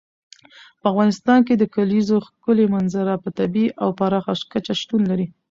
په افغانستان کې د کلیزو ښکلې منظره په طبیعي او پراخه کچه شتون لري.